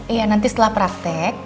iya nanti setelah praktek